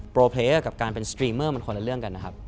เพลย์กับการเป็นสตรีเมอร์มันคนละเรื่องกันนะครับ